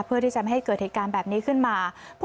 เพื่อที่จะไม่ให้เกิดเหตุการณ์แบบนี้ขึ้นมา